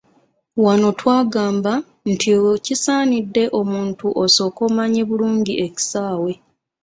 Wano twagamba nti kisaanidde omuntu osooke omanye bulungi ekisaawe.